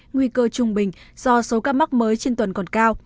nguy cơ trung bình do số ca mắc mới trên tuần còn cao